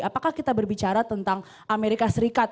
apakah kita berbicara tentang amerika serikat